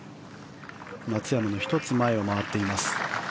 松山の１つ前を回っています。